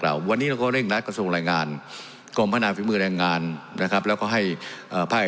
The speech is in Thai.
สวัสดีสวัสดีสวัสดีสวัสดีสวัสดีสวัสดี